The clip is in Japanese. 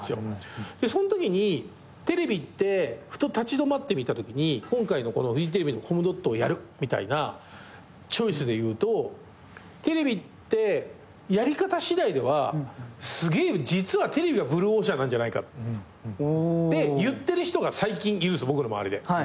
そんときにテレビってふと立ち止まってみたときに今回のこのフジテレビのコムドットをやるみたいなチョイスでいうとテレビってやり方しだいではすげえ実はテレビはブルーオーシャンなんじゃないかって言ってる人が最近いるんです僕の周りで。